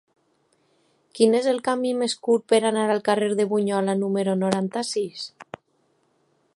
Quin és el camí més curt per anar al carrer de Bunyola número noranta-sis?